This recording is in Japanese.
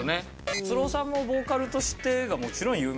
達郎さんもボーカルとしてがもちろん有名ですけど。